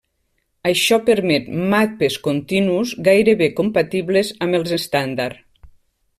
Això permet mapes continus gairebé compatibles amb els estàndard.